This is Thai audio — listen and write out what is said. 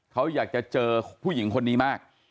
เขาอยากจะเจอผู้หญิงคนนี้มาก